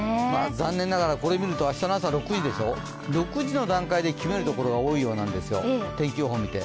残念ながら、これを見ると明日の朝６時でしょ、６時の段階で決めるところが多いようなんですよ、天気予報見て。